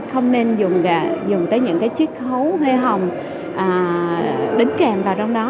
không nên dùng tới những chiếc khấu huê hồng đính kèm vào trong đó